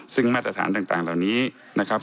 ซึ่งมาตรฐานต่างเหล่านี้นะครับ